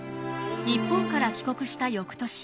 日本から帰国した翌年。